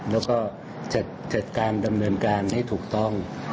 แล้วก็จัดการดำเนินการให้ถูกต้อง